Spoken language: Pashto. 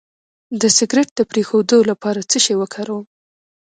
د سګرټ د پرېښودو لپاره څه شی وکاروم؟